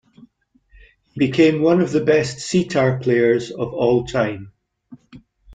He became one of the best setar players of all time.